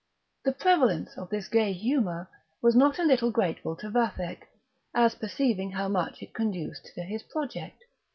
The prevalence of this gay humour was not a little grateful to Vathek, as perceiving how much it conduced to his project.